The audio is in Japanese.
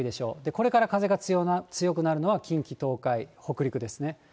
これから風が強くなるのは、近畿、東海、北陸ですね。